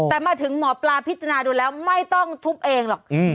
แต่มาถึงหมอปลาพิจารณาดูแล้วไม่ต้องทุบเองหรอก